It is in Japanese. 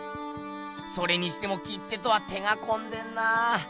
それにしても切手とは手がこんでんなぁ。